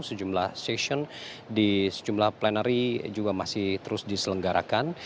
sejumlah session di sejumlah plenary juga masih terus diselenggarakan